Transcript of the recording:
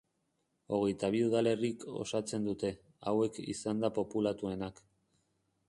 Hogeita bi udalerrik osatzen dute, hauek izanda populatuenak.